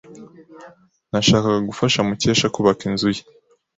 Nashakaga gufasha Mukesha kubaka inzu ye.